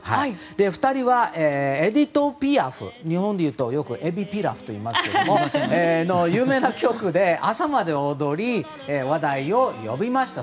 ２人はエディット・ピアフ日本でいうと、よくエビピラフといいますけども、有名な曲で朝まで踊り話題を呼びました。